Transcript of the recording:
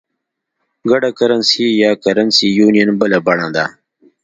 ګډه کرنسي یا Currency Union بله بڼه ده.